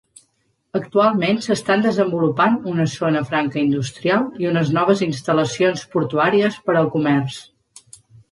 Actualment s'estan desenvolupant una zona franca industrial i unes noves instal·lacions portuàries per al comerç.